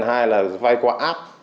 hai là vay quả ác